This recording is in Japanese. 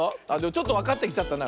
ちょっとわかってきちゃったな。